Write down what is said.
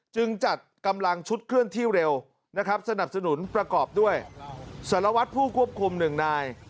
จัดกำลังชุดเคลื่อนที่เร็วนะครับสนับสนุนประกอบด้วยสารวัตรผู้ควบคุมหนึ่งนาย